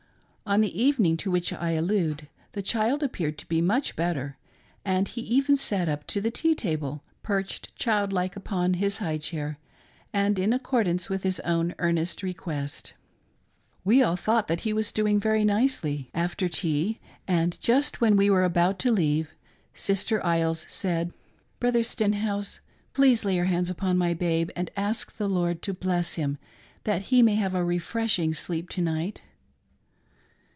On the evening to which I allude the child appeared to be much bet ter,, and he even sat up to the tea table, perched, child like, upon his high chair and in accordance with his own ear nest request. We all thought that he was doing very nicely. After tea, and just when we were about to leave. Sister Isles said :" Brother Stenhouse^ please lay your hands upon my babe, and ask the Lord to bless him, that he may have a refreshing sleep to night.